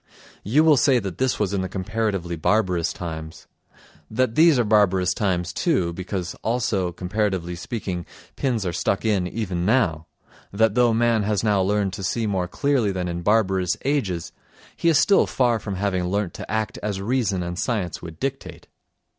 You will say that that was in the comparatively barbarous times; that these are barbarous times too, because also, comparatively speaking, pins are stuck in even now; that though man has now learned to see more clearly than in barbarous ages, he is still far from having learnt to act as reason and science would dictate.